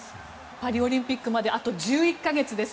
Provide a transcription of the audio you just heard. パリオリンピックまであと１１か月です。